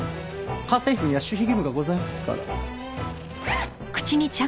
家政婦には守秘義務がございますから。